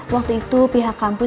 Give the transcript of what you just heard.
waktu itu pihak kampus